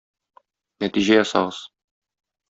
Нәтиҗә ясагыз.